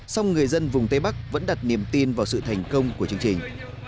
song người dân vùng tây bắc vẫn đặt niềm tin vào sự thành công của chương trình